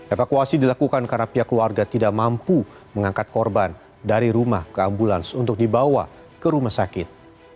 evakuasi dilakukan karena pihak keluarga tidak mampu mengangkat korban dari rumah ke ambulans untuk dibawa ke rumah sakit